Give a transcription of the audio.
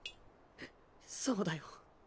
そうだよ